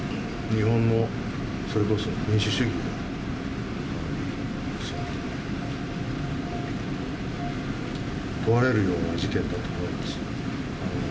日本のそれこそ民主主義が問われるような事件だと思います。